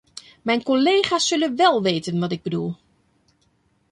Mijn collega's zullen wel weten wat ik bedoel.